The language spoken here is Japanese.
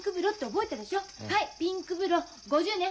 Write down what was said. はいピンク風呂５０ね。